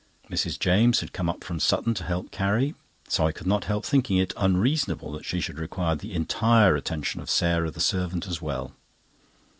Mrs. James had come up from Sutton to help Carrie; so I could not help thinking it unreasonable that she should require the entire attention of Sarah, the servant, as well.